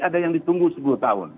ada yang ditunggu sepuluh tahun